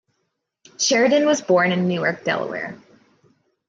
Sheridan was born in Newark, Delaware.